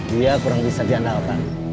dia kurang bisa diandalkan